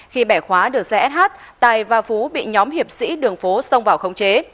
khi bẻ khóa được xe sh tài và phú bị nhóm hiệp sĩ đường phố xông vào khống chế